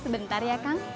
sebentar ya kang